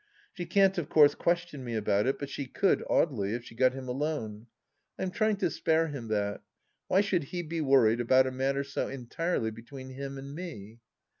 She can't of course question me about it, but she could Audely, if she got him alone ! I am trying to spare him that. Why should he be worried about a matter so entirely between him and me